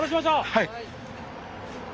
はい。